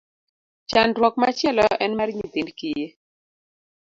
Chandruok machielo en mar nyithind kiye.